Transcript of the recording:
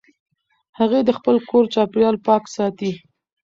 هغې د خپل کور چاپېریال پاک ساتي.